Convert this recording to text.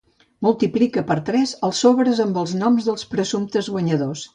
Multiplica per tres els sobres amb noms de presumptes guanyadors.